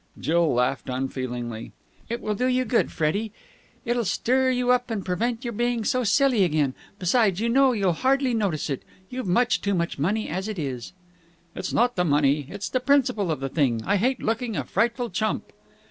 Jill laughed unfeelingly. "It will do you good, Freddie. It'll stir you up and prevent you being so silly again. Besides, you know you'll hardly notice it. You've much too much money as it is." "It's not the money. It's the principle of the thing. I hate looking a frightful chump."